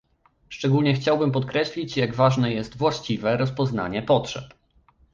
Szczególnie chciałbym podkreślić jak ważne jest właściwe rozpoznanie potrzeb